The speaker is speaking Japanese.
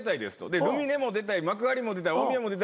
でルミネも出たい幕張も出たい大宮も出たい。